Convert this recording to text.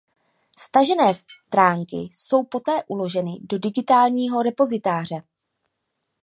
Stažené stránky jsou poté uloženy do digitálního repozitáře.